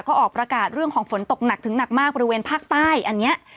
ก็ออกประกาศเรื่องของฝนตกหนักถึงหนักมากบริเวณภาคใต้อันนี้